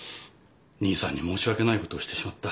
兄さんに申し訳ないことをしてしまった。